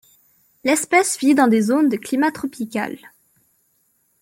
L'espèce vit dans des zones de climat tropical.